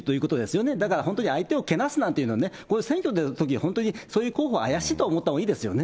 だから本当に相手をけなすなんていうのはね、選挙のとき、そういう候補、怪しいと思ったほうがいいですよね。